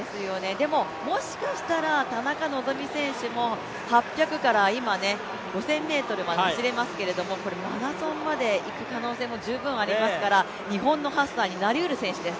もしかしたら、田中希実選手も８００から５０００ｍ走れますけど、マラソンまでにいく可能性も十分ありますから、日本のハッサンになりうる選手です。